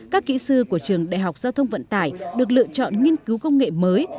các kỹ sư của trường đại học giao thông vận tải được lựa chọn nghiên cứu công nghệ mới